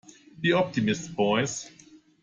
Be optimists, boys.